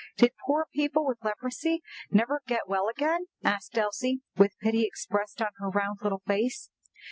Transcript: "Did poor people with leprosy never get well again?" asked Elsie, with pity expressed on her round little face.